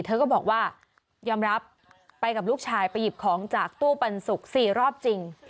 เธอก็บอกว่ายอมรับไปกับลูกชายไปหยิบของจากตู้ปันสุก๔รอบจริง